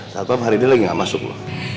saat apa faridin lagi gak masuk loh